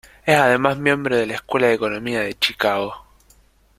Es además miembro de la Escuela de Economía de Chicago.